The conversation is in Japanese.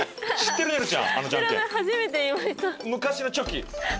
昔のチョキ。